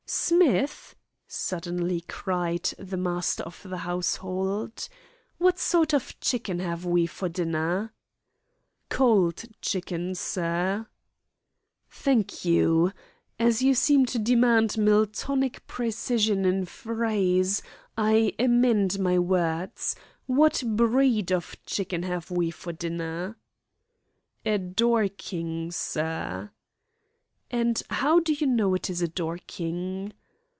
"Smith," suddenly cried the master of the household, "what sort of chicken have we for dinner?" "Cold chicken, sir." "Thank you. As you seem to demand Miltonic precision in phrase, I amend my words. What breed of chicken have we for dinner?" "A dorking, sir." "And how do you know it is a dorking?"